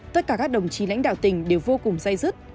tất cả các đồng chí lãnh đạo tỉnh đều vô cùng dây dứt